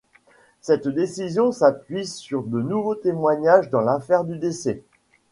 Cette décision s'appuie sur de nouveaux témoignages dans l'affaire du décès.